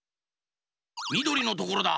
みどりのところだ。